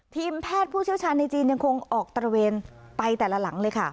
ทีมแพทย์ผู้เชี่ยวชาญในจีนยังคงออกตระเวนไปแต่ละหลังเลยค่ะ